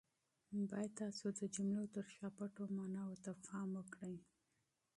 تاسو باید د جملو تر شا پټو ماناوو ته پام وکړئ.